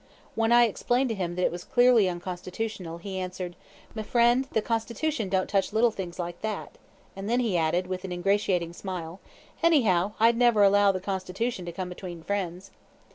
When I explained to him that it was clearly unconstitutional, he answered, "Me friend, the Constitution don't touch little things like that," and then added, with an ingratiating smile, "Anyhow, I'd never allow the Constitution to come between friends."